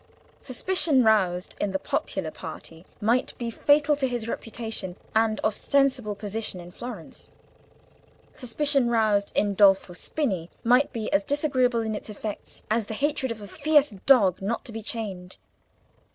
Suspicion roused in the popular party might be fatal to his reputation and ostensible position in Florence: suspicion roused in Dolfo Spini might be as disagreeable in its effects as the hatred of a fierce dog not to be chained.